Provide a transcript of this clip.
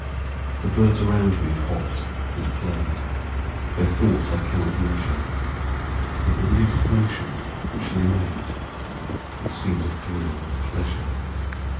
The birds around me hopp'd and play'd, Their thoughts I cannot measure But the least motion which they made It seem'd a thrill of pleasure.